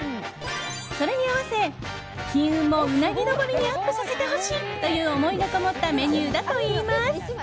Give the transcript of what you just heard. それに合わせ、金運もうなぎ登りにアップさせてほしいという思いがこもったメニューだといいます。